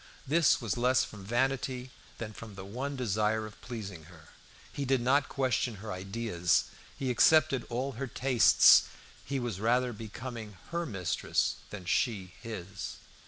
This was less from vanity than from the one desire of pleasing her. He did not question her ideas; he accepted all her tastes; he was rather becoming her mistress than she his.